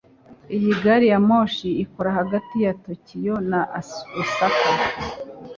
Iyi gari ya moshi ikora hagati ya Tokiyo na Osaka.